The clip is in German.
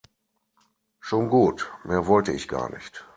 Schon gut, mehr wollte ich gar nicht.